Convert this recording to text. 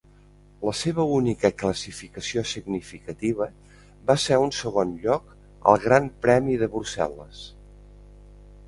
La seva única classificació significativa va ser un segon lloc al Gran Premi de Brussel·les.